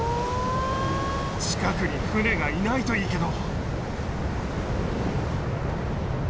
近くに船がいないといいけど。